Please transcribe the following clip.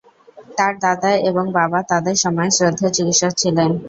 তার দাদা এবং বাবা তাদের সময়ের শ্রদ্ধেয় চিকিৎসক ছিলেন।